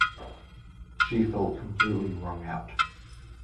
She felt completely wrung out.